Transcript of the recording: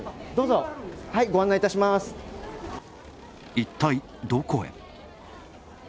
一体、どこへ？